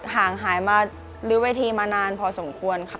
ห่างหายมาลื้อเวทีมานานพอสมควรค่ะ